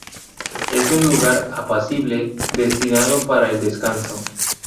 Es un lugar apacible, destinado para el descanso.